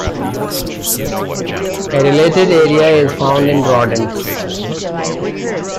A related area is found in rodents.